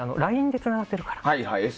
ＬＩＮＥでつながってるから。